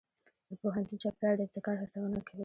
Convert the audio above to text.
د پوهنتون چاپېریال د ابتکار هڅونه کوي.